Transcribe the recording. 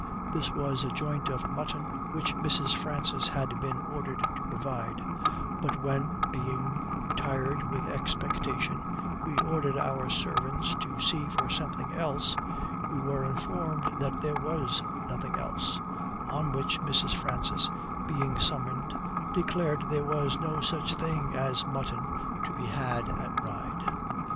This was a joint of mutton which Mrs. Francis had been ordered to provide; but when, being tired with expectation, we ordered our servants TO SEE FOR SOMETHING ELSE, we were informed that there was nothing else; on which Mrs. Francis, being summoned, declared there was no such thing as mutton to be had at Ryde.